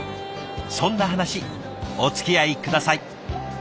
そんな話おつきあい下さい。